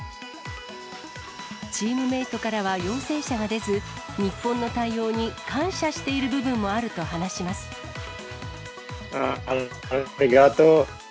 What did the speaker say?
チームメートからは陽性者が出ず、日本の対応に感謝しているありがとう。